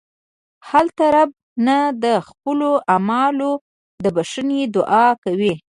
هلته رب نه د خپلو اعمالو د بښنې دعا کوئ.